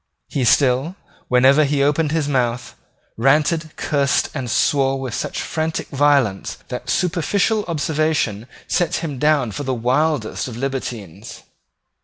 He still, whenever he opened his mouth, ranted, cursed and swore with such frantic violence that superficial observers set him down for the wildest of libertines.